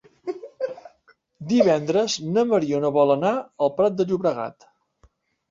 Divendres na Mariona vol anar al Prat de Llobregat.